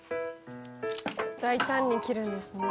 大胆に切るんですね。